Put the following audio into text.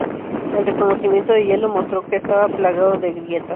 El reconocimiento de hielo mostró que estaba plagado de grietas.